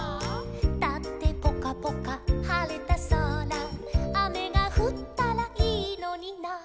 「だってぽかぽかはれたそら」「あめがふったらいいのにな」